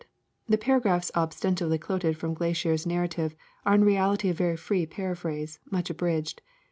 Coxwell climbed 1 The paragraphs ostensibly quoted from Glaisher's narrative are in reality a very free paraphase, much abridged.